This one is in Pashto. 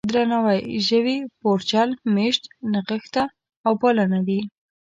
درناوی، ژوي، بورجل، مېشت، نغښته او پالنه دي.